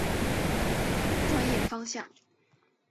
专业方向。